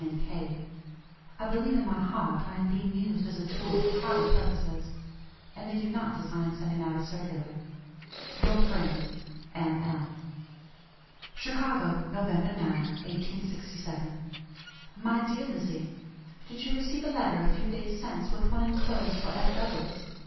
& K. I believe in my heart I am being used as a tool for party purposes; and they do not design sending out a circular. "Your friend, M. L." "CHICAGO, Nov. 9, 1867. "MY DEAR LIZZIE: Did you receive a letter a few days since, with one enclosed for F. Douglass?